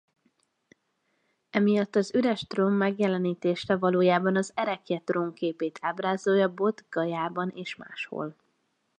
Emiatt az üres trón megjelenítése valójában egy ereklye-trón képét ábrázolja Bodh-Gajában és máshol.